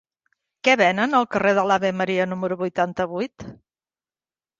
Què venen al carrer de l'Ave Maria número vuitanta-vuit?